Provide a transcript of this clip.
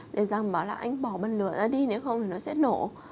để rằng bảo là anh bỏ bân lựa ra đi nếu không thì nó sẽ nổ